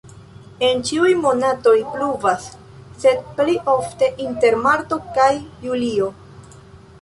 En ĉiuj monatoj pluvas, sed pli ofte inter marto kaj julio.